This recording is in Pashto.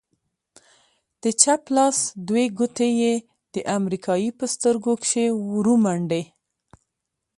د چپ لاس دوې گوتې يې د امريکايي په سترگو کښې ورومنډې.